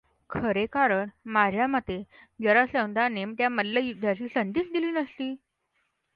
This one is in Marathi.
खरे कारण, माझ्या मते, जरासंधाने त्यांना मल्लयुद्धाची संधिच दिली नसती.